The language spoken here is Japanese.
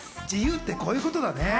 自由ってこういうことだね。